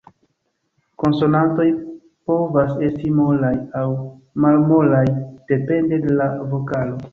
Konsonantoj povas esti molaj aŭ malmolaj depende de la vokalo.